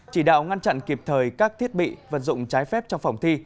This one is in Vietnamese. chỉ đạo ngăn chặn kịp thời các thiết bị vận dụng trái phép trong phòng thi